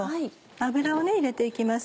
油を入れて行きます。